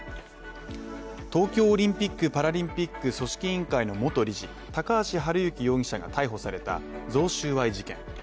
東京オリンピック・パラリンピック組織委員会の元理事高橋治之容疑者が逮捕された贈収賄事件。